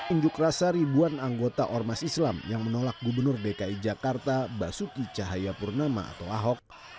unjuk rasa ribuan anggota ormas islam yang menolak gubernur dki jakarta basuki cahayapurnas